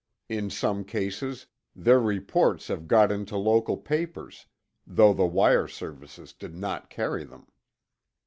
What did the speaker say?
In some cases, their reports have got into local papers, though the wire services did not carry them.